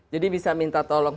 jadi bisa minta tolong